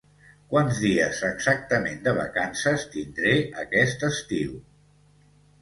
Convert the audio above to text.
Quants dies exactament de vacances tindré aquest estiu?